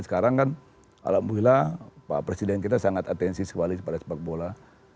sekarang kan alhamdulillah pak presiden kita sangat atensi sekali pada sepak bola